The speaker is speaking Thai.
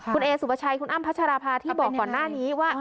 คุณเอสุปชัยคุณอ้ำพัชราภาที่บอกก่อนหน้านี้ว่า